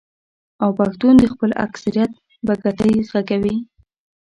او پښتون د خپل اکثريت بګتۍ ږغوي.